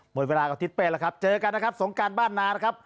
หมดเวลากับทิศเป้แล้วครับเจอกันนะครับสงการบ้านนานะครับ